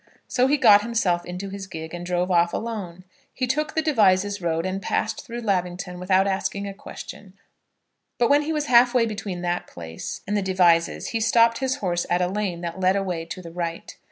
So he got himself into his gig, and drove off alone. He took the Devizes road, and passed through Lavington without asking a question; but when he was half way between that place and Devizes, he stopped his horse at a lane that led away to the right.